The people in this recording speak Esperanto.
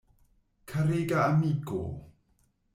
Karega amiko!